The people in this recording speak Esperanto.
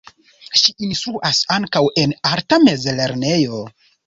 Ŝi instruas ankaŭ en arta mezlernejo.